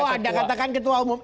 kalau anda katakan ketua umum